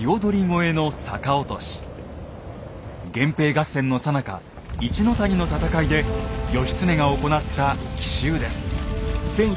源平合戦のさなか一の谷の戦いで義経が行った奇襲です。